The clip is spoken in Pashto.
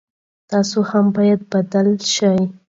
تاسو هم باید بدل شئ.